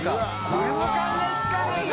これも考えつかないね！